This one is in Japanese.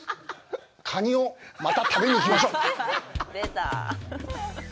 カニを、また食べにいきましょう！